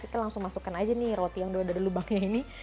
kita langsung masukkan aja nih roti yang dari lubangnya ini